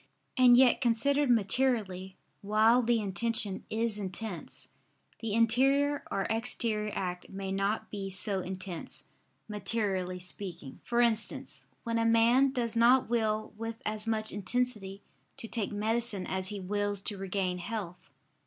And yet considered materially, while the intention is intense, the interior or exterior act may be not so intense, materially speaking: for instance, when a man does not will with as much intensity to take medicine as he wills to regain health.